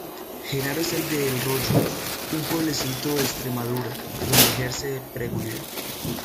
Jenaro es el de El Rollo, un pueblecito de Extremadura, donde ejerce de pregonero.